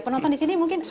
penonton di sini mungkin